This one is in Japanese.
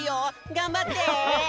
がんばって！